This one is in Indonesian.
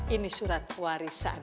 ini surat warisan